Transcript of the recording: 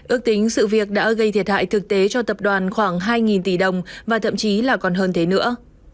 ước tính sự việc đã gây thiệt hại thực tế cho tập đoàn khoảng hai tỷ đồng và thậm chí là còn hơn thế nữa